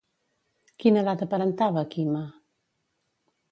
Quina edat aparentava Quima?